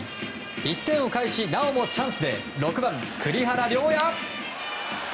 １点を返し、なおもチャンスで６番、栗原陵矢。